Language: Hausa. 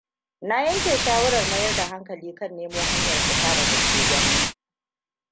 Na yanke shawarar mayar da hankali kan nemo hanyar fita daga kogon nan.